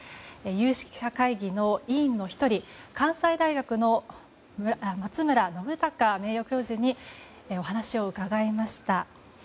有識者会議の委員の１人関西大学の松村暢隆名誉教授にお話を伺いました。